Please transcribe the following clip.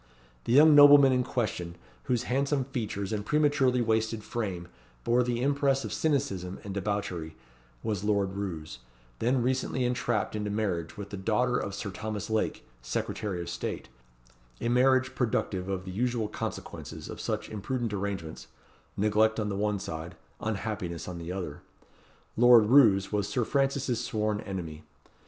The young nobleman in question, whose handsome features and prematurely wasted frame bore the impress of cynicism and debauchery, was Lord Roos, then recently entrapped into marriage with the daughter of Sir Thomas Lake, Secretary of State: a marriage productive of the usual consequences of such imprudent arrangements neglect on the one side, unhappiness on the other. Lord Roos was Sir Francis's sworn enemy.